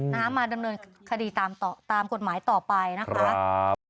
มาดำเนินคดีตามต่อตามกฎหมายต่อไปนะคะครับ